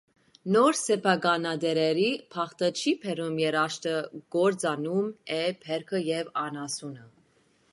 Նոր սեփականատերերի բախտը չի բերում՝ երաշտը կործանում է բերքը և անասունը։